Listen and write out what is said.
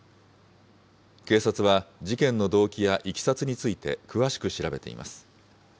警察は、事件の動機やいきさつについて、詳しく調べています。